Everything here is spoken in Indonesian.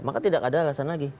maka tidak ada alasan lagi